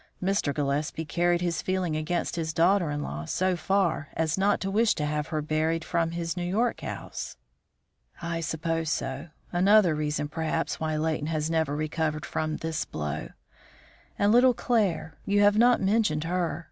Mr. Gillespie carried his feeling against his daughter in law so far as not to wish to have her buried from his New York house." "I suppose so; another reason, perhaps, why Leighton has never recovered from this blow. And little Claire? You have not mentioned her.